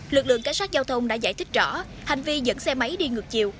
lực lượng cảnh sát giao thông đã giải thích rõ hành vi dẫn xe máy đi ngược chiều